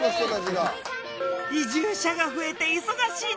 移住者が増えて忙しい